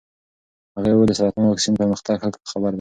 هغې وویل د سرطان واکسین پرمختګ ښه خبر دی.